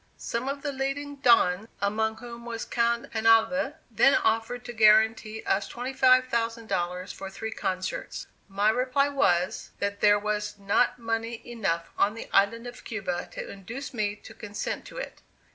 Some of the leading Dons, among whom was Count Penalver, then offered to guarantee us $25,000 for three concerts. My reply was, that there was not money enough on the island of Cuba to induce me to consent to it.